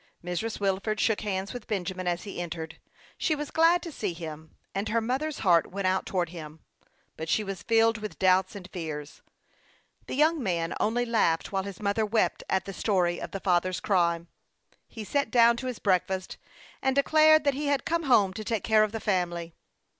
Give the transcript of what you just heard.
Mrs. Wilford shook hands with Benjamin as he entered. She was glad to see him, and her mother's heart went out towards him ; but she was filled with doubts and fears. The young man only laughed while his mother wept at the story of the father's crime. He sat down to his breakfast, and declared that he had come home to take care of the family.